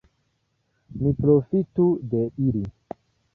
Mi profitu de ili.